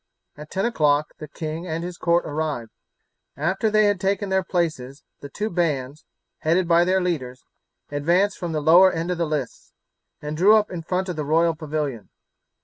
At ten o'clock the king and his court arrived. After they had taken their places the two bands, headed by their leaders, advanced from the lower end of the lists, and drew up in front of the royal pavilion.